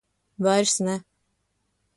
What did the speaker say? Vairs ne.